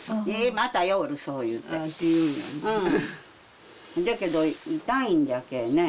また言いよるそう言うてて言うんやじゃけど痛いんじゃけえね